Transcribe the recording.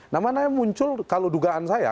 nah mana yang muncul kalau dugaan saya